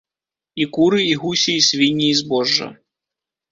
І куры, і гусі, і свінні, і збожжа.